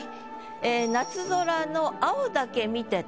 ええ「夏空の青だけ見てと」